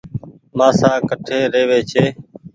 مآسآ ڪٺي روي ڇي۔